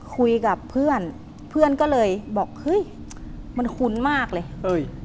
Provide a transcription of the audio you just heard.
คุยกับเพื่อนเพื่อนก็เลยบอกเฮ้ยมันคุ้นมากเลยเอ้ย